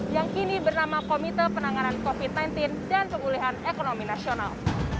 yang kini bernama komite penanganan covid sembilan belas dan pemulihan ekonomi nasional